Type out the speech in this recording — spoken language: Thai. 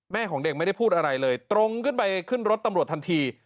ของเด็กไม่ได้พูดอะไรเลยตรงขึ้นไปขึ้นรถตำรวจทันที